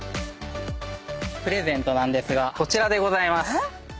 プレゼントなんですがこちらでございます。